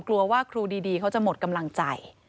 กลัวว่าครูดีเขาจะหมดกำลังใจ